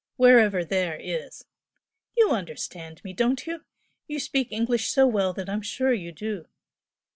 wherever 'there' is. You understand me, don't you? You speak English so well that I'm sure you do."